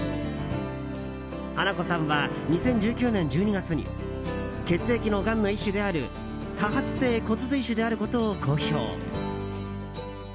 花子さんは２０１９年１２月に血液のがんの一種である多発性骨髄腫であることを公表。